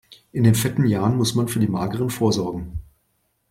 In den fetten Jahren muss man für die mageren vorsorgen.